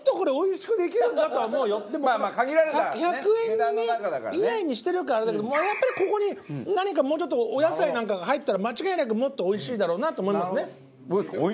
多分ねでも１００円以内にしてるからあれだけどやっぱりここに何かもうちょっとお野菜なんかが入ったら間違いなくもっとおいしいだろうなと思いますね。